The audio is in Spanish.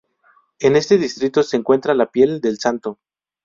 En este distrito se encuentra la piel del santo.